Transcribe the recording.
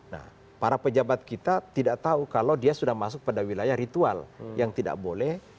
nah para pejabat kita tidak tahu kalau dia sudah masuk pada wilayah ritual yang tidak boleh